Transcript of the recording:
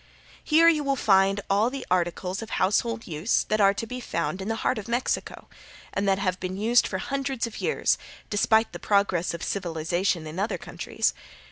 Here you will find all the articles of household use that are to be found in the heart of Mexico, and that have been used for hundreds of years despite the progress of civilization in other countries.